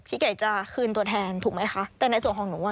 ไก่จะคืนตัวแทนถูกไหมคะแต่ในส่วนของหนูอ่ะ